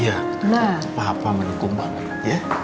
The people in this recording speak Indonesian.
iya papa mendukung mama